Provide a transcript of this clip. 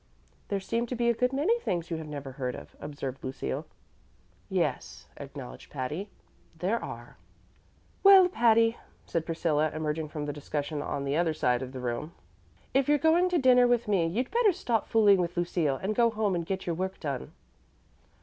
"There seem to be a good many things you have never heard of," observed Lucille. "Yes," acknowledged Patty; "there are." "Well, Patty," said Priscilla, emerging from the discussion on the other side of the room, "if you're going to dinner with me, you'd better stop fooling with Lucille, and go home and get your work done."